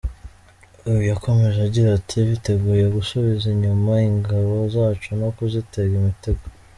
Uyu yakomeje agira ati: “Biteguye gusubiza inyuma ingabo zacu no kuzitega imitego.